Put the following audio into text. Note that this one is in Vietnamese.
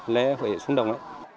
lễ hội xuống đồng